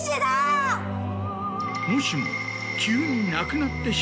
もしも。